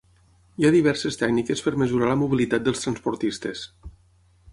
Hi ha diverses tècniques per mesurar la mobilitat dels transportistes.